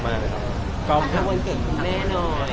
จะมันเก่งคุณแม่หน่อย